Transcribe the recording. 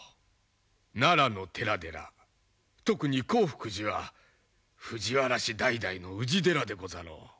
奈良の寺々特に興福寺は藤原氏代々の氏寺でござろう。